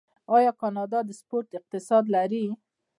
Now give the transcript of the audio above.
آیا کاناډا د سپورت اقتصاد نلري؟